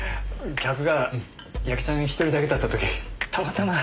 客が矢木ちゃん１人だけだった時たまたま。